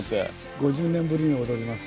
５０年ぶりに踊ります。